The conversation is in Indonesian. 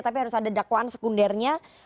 tapi harus ada dakwaan sekundernya